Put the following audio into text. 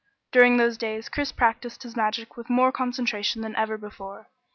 During those days Chris practised his magic with more concentration than ever before.